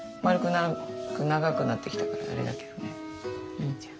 いいじゃん。